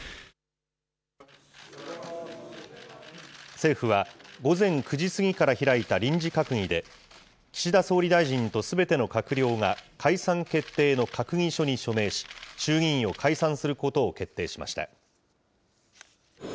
政府は、午前９時過ぎから開いた臨時閣議で、岸田総理大臣とすべての閣僚が解散決定の閣議書に署名し、衆議院を解散することを決定しました。